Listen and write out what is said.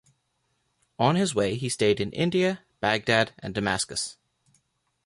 On his way he stayed in India, Baghdad and Damascus.